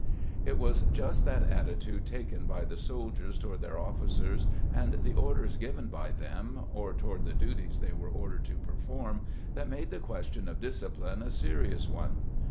It was just that attitude taken by the soldiers toward their officers and the orders given by them or toward the duties they were ordered to perform that made the question of discipline a serious one.